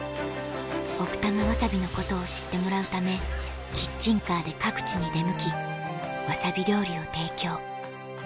奥多摩わさびのことを知ってもらうためキッチンカーで各地に出向きわさび料理を提供